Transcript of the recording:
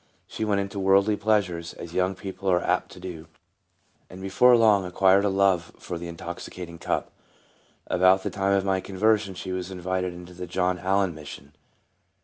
She went into worldly pleasures, as young people are apt to do, and before long acquired a love for the intoxicating cup. About the time of my conversion she was invited into the John Al len Mission.